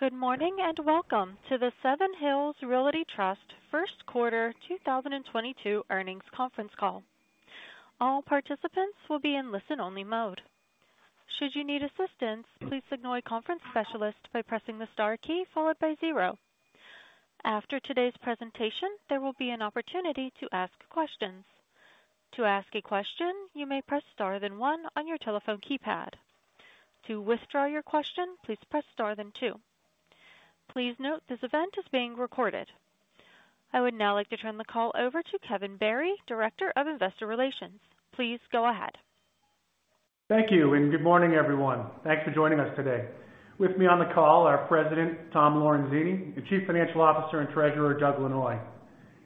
Good morning, and welcome to the Seven Hills Realty Trust first quarter 2022 earnings conference call. All participants will be in listen-only mode. Should you need assistance, please signal a conference specialist by pressing the star key followed by zero. After today's presentation, there will be an opportunity to ask questions. To ask a question, you may press star then one on your telephone keypad. To withdraw your question, please press star then two. Please note this event is being recorded. I would now like to turn the call over to Kevin Barry, Director of Investor Relations. Please go ahead. Thank you, and good morning, everyone. Thanks for joining us today. With me on the call, our President, Tom Lorenzini, the Chief Financial Officer and Treasurer, Doug Lanois.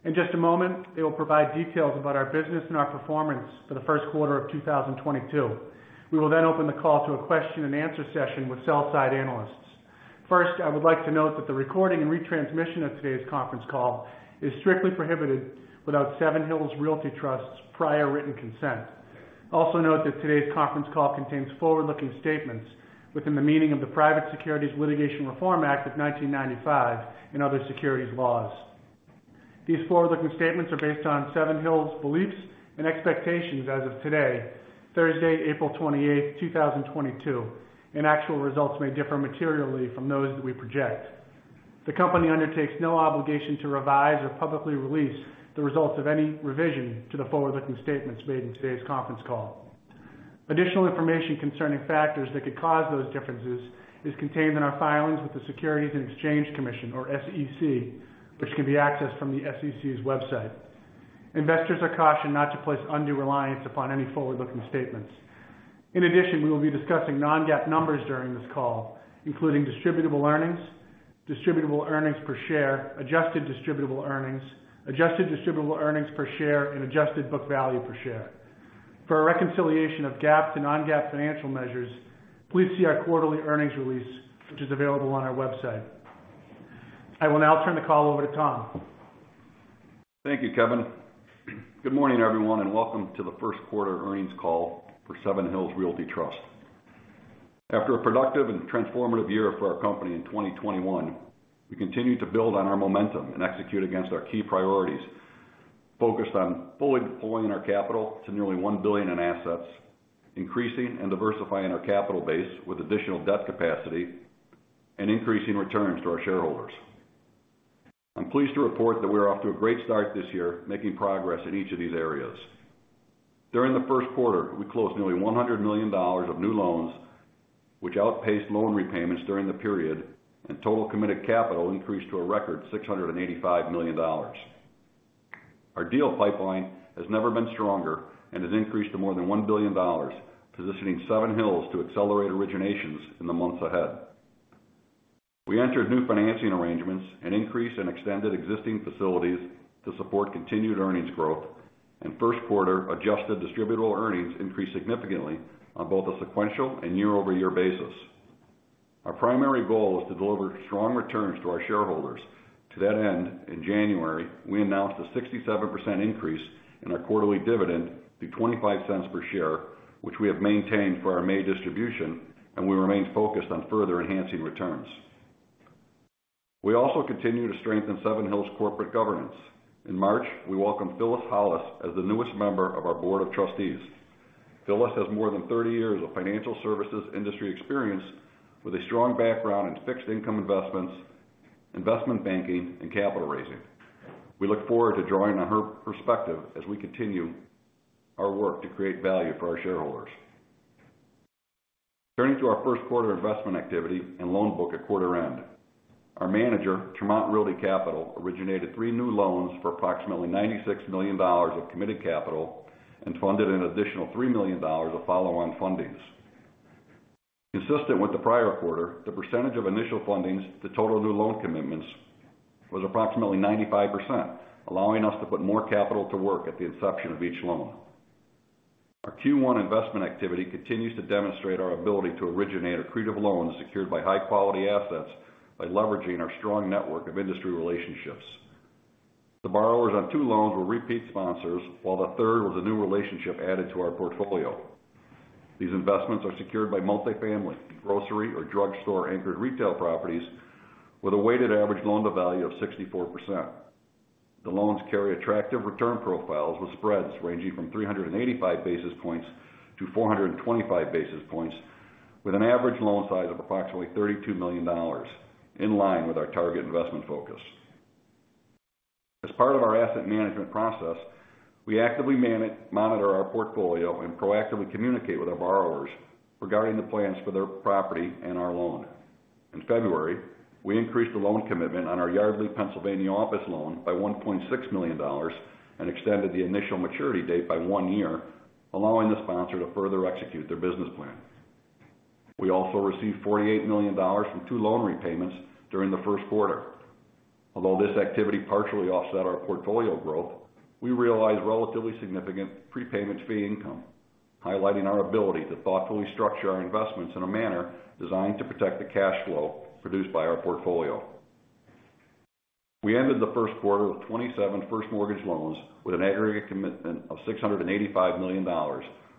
In just a moment, they will provide details about our business and our performance for the first quarter of 2022. We will then open the call to a question-and-answer session with sell-side analysts. First, I would like to note that the recording and retransmission of today's conference call is strictly prohibited without Seven Hills Realty Trust's prior written consent. Also note that today's conference call contains forward-looking statements within the meaning of the Private Securities Litigation Reform Act of 1995 and other securities laws. These forward-looking statements are based on Seven Hills' beliefs and expectations as of today, Thursday, April 28, 2022, and actual results may differ materially from those that we project. The company undertakes no obligation to revise or publicly release the results of any revision to the forward-looking statements made in today's conference call. Additional information concerning factors that could cause those differences is contained in our filings with the Securities and Exchange Commission or SEC, which can be accessed from the SEC's website. Investors are cautioned not to place undue reliance upon any forward-looking statements. In addition, we will be discussing non-GAAP numbers during this call, including distributable earnings, distributable earnings per share, adjusted distributable earnings, adjusted distributable earnings per share, and adjusted book value per share. For a reconciliation of GAAP to non-GAAP financial measures, please see our quarterly earnings release, which is available on our website. I will now turn the call over to Tom. Thank you, Kevin. Good morning, everyone, and welcome to the first quarter earnings call for Seven Hills Realty Trust. After a productive and transformative year for our company in 2021, we continued to build on our momentum and execute against our key priorities, focused on fully deploying our capital to nearly $1 billion in assets, increasing and diversifying our capital base with additional debt capacity, and increasing returns to our shareholders. I'm pleased to report that we are off to a great start this year, making progress in each of these areas. During the first quarter, we closed nearly $100 million of new loans, which outpaced loan repayments during the period, and total committed capital increased to a record $685 million. Our deal pipeline has never been stronger and has increased to more than $1 billion, positioning Seven Hills to accelerate originations in the months ahead. We entered new financing arrangements and increased and extended existing facilities to support continued earnings growth, and first quarter adjusted distributable earnings increased significantly on both a sequential and year-over-year basis. Our primary goal is to deliver strong returns to our shareholders. To that end, in January, we announced a 67% increase in our quarterly dividend to $0.25 per share, which we have maintained for our May distribution, and we remain focused on further enhancing returns. We also continue to strengthen Seven Hills corporate governance. In March, we welcomed Phyllis Hollis as the newest member of our board of trustees. Phyllis has more than 30 years of financial services industry experience with a strong background in fixed income investments, investment banking, and capital raising. We look forward to drawing on her perspective as we continue our work to create value for our shareholders. Turning to our first quarter investment activity and loan book at quarter end. Our manager, Tremont Realty Capital, originated three new loans for approximately $96 million of committed capital and funded an additional $3 million of follow-on fundings. Consistent with the prior quarter, the percentage of initial fundings to total new loan commitments was approximately 95%, allowing us to put more capital to work at the inception of each loan. Our Q1 investment activity continues to demonstrate our ability to originate accretive loans secured by high-quality assets by leveraging our strong network of industry relationships. The borrowers on two loans were repeat sponsors while the third was a new relationship added to our portfolio. These investments are secured by multifamily, grocery or drugstore anchored retail properties with a weighted average loan-to-value of 64%. The loans carry attractive return profiles with spreads ranging from 385 basis points to 425 basis points with an average loan size of approximately $32 million in line with our target investment focus. As part of our asset management process, we actively monitor our portfolio and proactively communicate with our borrowers regarding the plans for their property and our loan. In February, we increased the loan commitment on our Yardley, Pennsylvania office loan by $1.6 million and extended the initial maturity date by one year, allowing the sponsor to further execute their business plan. We also received $48 million from two loan repayments during the first quarter. Although this activity partially offset our portfolio growth, we realized relatively significant prepayment fee income, highlighting our ability to thoughtfully structure our investments in a manner designed to protect the cash flow produced by our portfolio. We ended the first quarter with 27 first mortgage loans with an aggregate commitment of $685 million,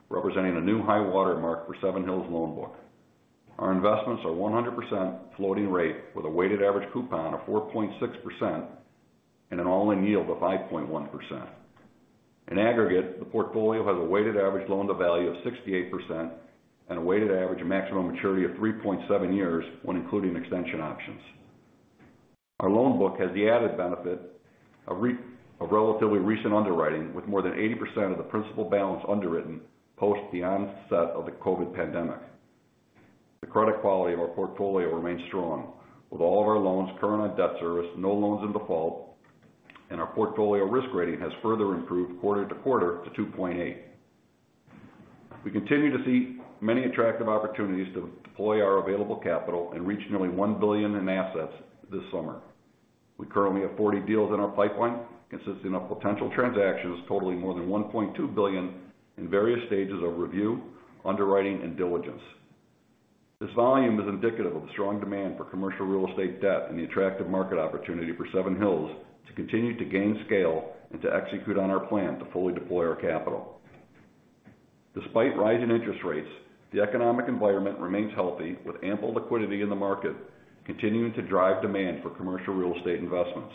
representing a new high watermark for Seven Hills loan book. Our investments are 100% floating rate with a weighted average coupon of 4.6% and an all-in yield of 5.1%. In aggregate, the portfolio has a weighted average loan-to-value of 68% and a weighted average maximum maturity of 3.7 years when including extension options. Our loan book has the added benefit of of relatively recent underwriting with more than 80% of the principal balance underwritten post the onset of the COVID pandemic. The credit quality of our portfolio remains strong, with all of our loans current on debt service, no loans in default, and our portfolio risk rating has further improved quarter to quarter to 2.8. We continue to see many attractive opportunities to deploy our available capital and reach nearly $1 billion in assets this summer. We currently have 40 deals in our pipeline, consisting of potential transactions totaling more than $1.2 billion in various stages of review, underwriting, and diligence. This volume is indicative of the strong demand for commercial real estate debt and the attractive market opportunity for Seven Hills to continue to gain scale and to execute on our plan to fully deploy our capital. Despite rising interest rates, the economic environment remains healthy, with ample liquidity in the market continuing to drive demand for commercial real estate investments.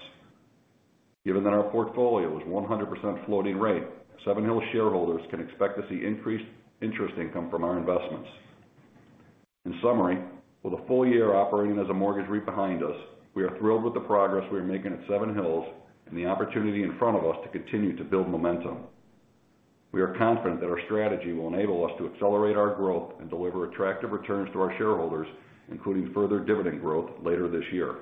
Given that our portfolio is 100% floating rate, Seven Hills shareholders can expect to see increased interest income from our investments. In summary, with a full year operating as a mortgage REIT behind us, we are thrilled with the progress we are making at Seven Hills and the opportunity in front of us to continue to build momentum. We are confident that our strategy will enable us to accelerate our growth and deliver attractive returns to our shareholders, including further dividend growth later this year.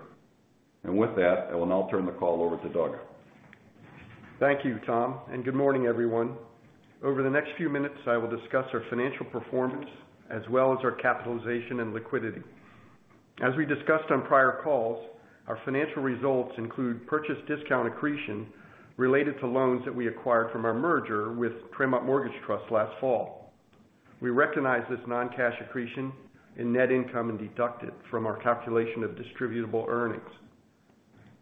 With that, I will now turn the call over to Doug. Thank you, Tom, and good morning, everyone. Over the next few minutes, I will discuss our financial performance as well as our capitalization and liquidity. As we discussed on prior calls, our financial results include purchase discount accretion related to loans that we acquired from our merger with Tremont Mortgage Trust last fall. We recognize this non-cash accretion in net income and deduct it from our calculation of distributable earnings.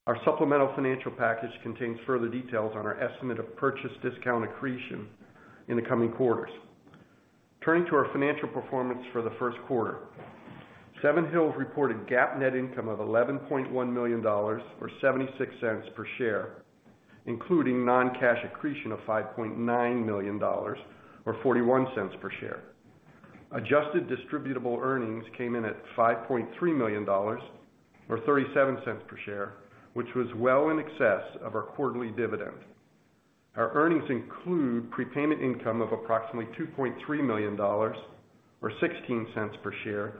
Our supplemental financial package contains further details on our estimate of purchase discount accretion in the coming quarters. Turning to our financial performance for the first quarter, Seven Hills reported GAAP net income of $11.1 million, or $0.76 per share, including non-cash accretion of $5.9 million, or $0.41 per share. Adjusted distributable earnings came in at $5.3 million, or $0.37 per share, which was well in excess of our quarterly dividend. Our earnings include prepayment income of approximately $2.3 million, or $0.16 per share,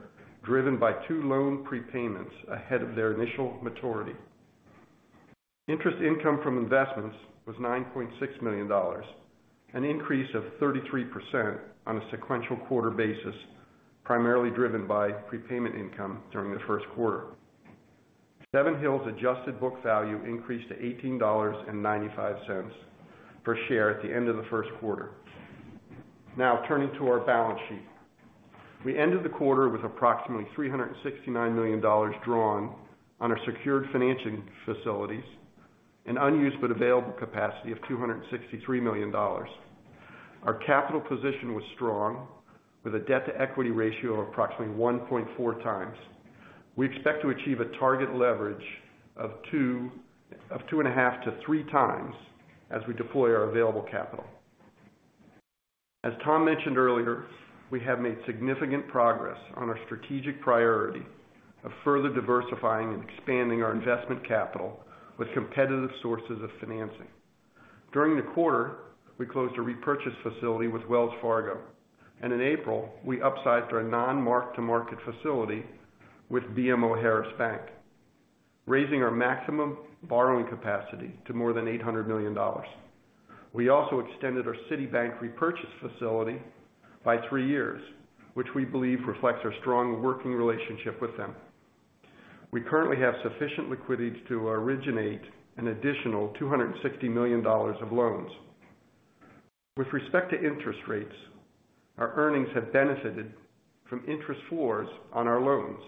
driven by two loan prepayments ahead of their initial maturity. Interest income from investments was $9.6 million, an increase of 33% on a sequential quarter basis, primarily driven by prepayment income during the first quarter. Seven Hills' adjusted book value increased to $18.95 per share at the end of the first quarter. Now, turning to our balance sheet. We ended the quarter with approximately $369 million drawn on our secured financing facilities and unused but available capacity of $263 million. Our capital position was strong, with a debt-to-equity ratio of approximately 1.4 times. We expect to achieve a target leverage of 2.5-3 times as we deploy our available capital. As Tom mentioned earlier, we have made significant progress on our strategic priority of further diversifying and expanding our investment capital with competitive sources of financing. During the quarter, we closed a repurchase facility with Wells Fargo, and in April, we upsized our non-mark-to-market facility with BMO Harris Bank, raising our maximum borrowing capacity to more than $800 million. We also extended our Citibank repurchase facility by three years, which we believe reflects our strong working relationship with them. We currently have sufficient liquidity to originate an additional $260 million of loans. With respect to interest rates, our earnings have benefited from interest floors on our loans.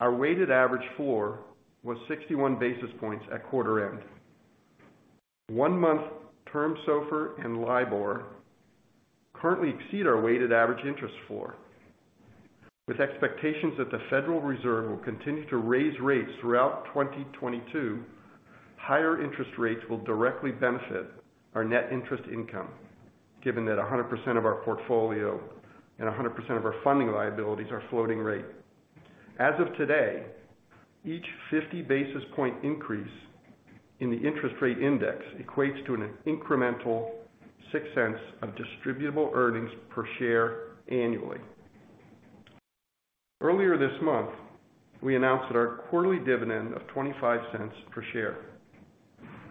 Our weighted average floor was 61 basis points at quarter end. One-month term SOFR and LIBOR currently exceed our weighted average interest floor. With expectations that the Federal Reserve will continue to raise rates throughout 2022, higher interest rates will directly benefit our net interest income, given that 100% of our portfolio and 100% of our funding liabilities are floating rate. As of today, each 50 basis point increase in the interest rate index equates to an incremental $0.06 of distributable earnings per share annually. Earlier this month, we announced our quarterly dividend of $0.25 per share.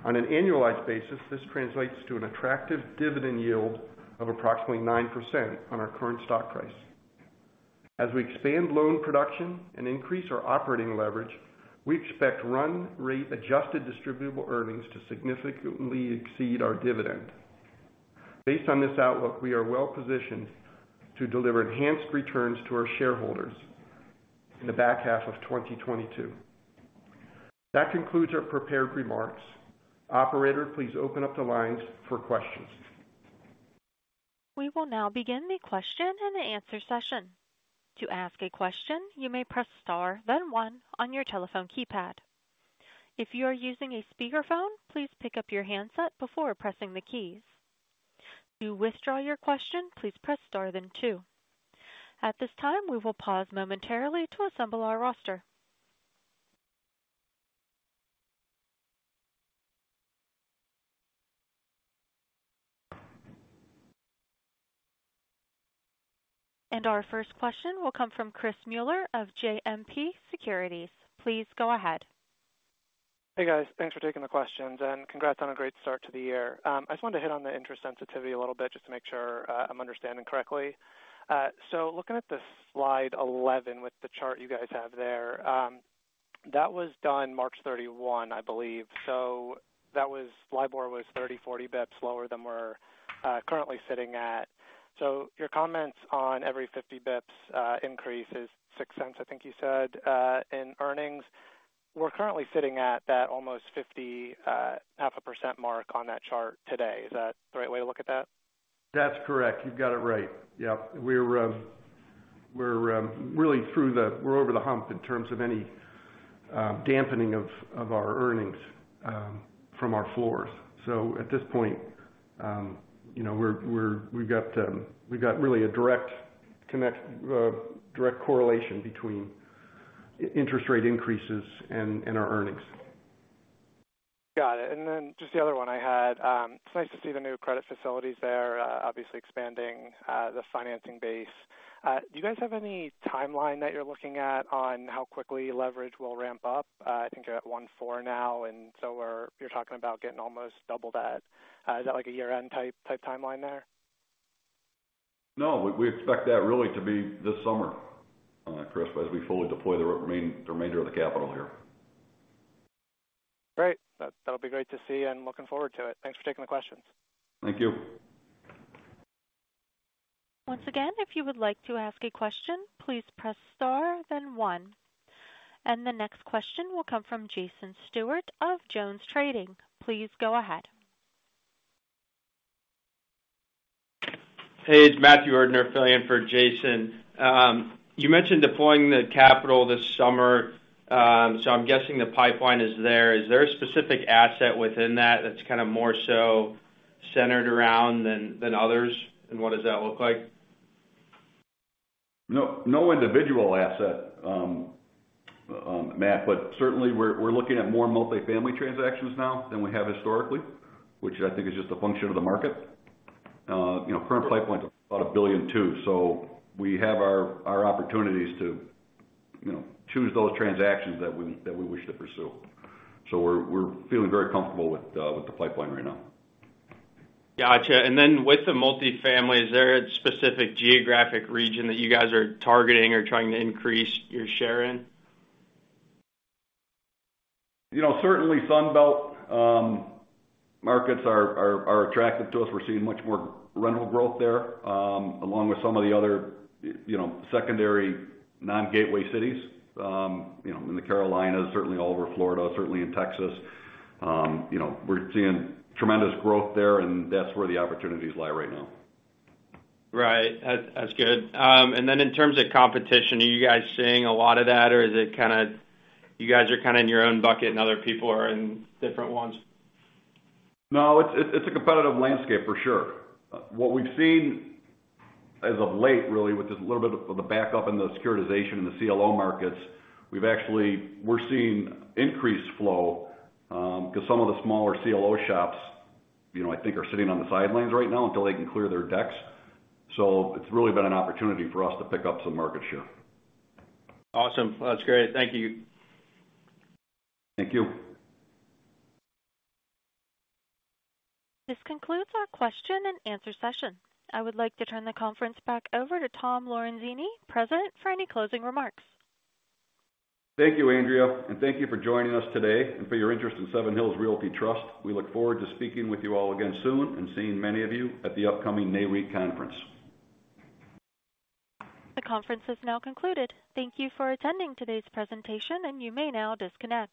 On an annualized basis, this translates to an attractive dividend yield of approximately 9% on our current stock price. As we expand loan production and increase our operating leverage, we expect run rate adjusted distributable earnings to significantly exceed our dividend. Based on this outlook, we are well positioned to deliver enhanced returns to our shareholders in the back half of 2022. That concludes our prepared remarks. Operator, please open up the lines for questions. We will now begin the question and answer session. To ask a question, you may press star then one on your telephone keypad. If you are using a speakerphone, please pick up your handset before pressing the keys. To withdraw your question, please press star then two. At this time, we will pause momentarily to assemble our roster. Our first question will come from Chris Muller of JMP Securities. Please go ahead. Hey, guys. Thanks for taking the questions, and congrats on a great start to the year. I just wanted to hit on the interest sensitivity a little bit just to make sure I'm understanding correctly. Looking at the slide 11 with the chart you guys have there, that was done March 31, I believe. That was LIBOR was 340 basis points lower than we're currently sitting at. Your comments on every 50 basis points increase is six cents, I think you said, in earnings. We're currently sitting at that almost 50, half a percent mark on that chart today. Is that the right way to look at that? That's correct. You've got it right. Yeah. We're really over the hump in terms of any dampening of our earnings from our floors. At this point we've got really a direct correlation between interest rate increases and our earnings. Got it. Just the other one I had. It's nice to see the new credit facilities there, obviously expanding the financing base. Do you guys have any timeline that you're looking at on how quickly leverage will ramp up? I think you're at 1.4 now, you're talking about getting almost double that. Is that like a year-end type timeline there? No, we expect that really to be this summer, Chris, as we fully deploy the remainder of the capital here. Great. That, that'll be great to see, and looking forward to it. Thanks for taking the questions. Thank you. Once again, if you would like to ask a question, please press star then one. The next question will come from Jason Weaver of Jones Trading. Please go ahead. Hey, it's Matthew Erdner filling in for Jason. You mentioned deploying the capital this summer, so I'm guessing the pipeline is there. Is there a specific asset within that that's kinda more so centered around than others, and what does that look like? No, no individual asset, Matthew, but certainly we're looking at more multi-family transactions now than we have historically, which I think is just a function of the market. Current pipeline's about $1.2 billion, so we have our opportunities to choose those transactions that we wish to pursue. We're feeling very comfortable with the pipeline right now. Gotcha. With the multifamily, is there a specific geographic region that you guys are targeting or trying to increase your share in? Certainly Sun Belt markets are attractive to us. We're seeing much more rental growth there, along with some of the other secondary non-gateway cities. In the Carolinas, certainly all over Florida, certainly in Texas. We're seeing tremendous growth there, and that's where the opportunities lie right now. Right. That's good. In terms of competition, are you guys seeing a lot of that, or is it kinda you guys are kinda in your own bucket and other people are in different ones? No, it's a competitive landscape for sure. What we've seen as of late, really, with this little bit of the backup in the securitization in the CLO markets, we've actually, we're seeing increased flow, 'cause some of the smaller CLO shops I think are sitting on the sidelines right now until they can clear their decks. So it's really been an opportunity for us to pick up some market share. Awesome. That's great. Thank you. Thank you. This concludes our question and answer session. I would like to turn the conference back over to Tom Lorenzini, President, for any closing remarks. Thank you, Andrea, and thank you for joining us today and for your interest in Seven Hills Realty Trust. We look forward to speaking with you all again soon and seeing many of you at the upcoming NAREIT conference. The conference has now concluded. Thank you for attending today's presentation, and you may now disconnect.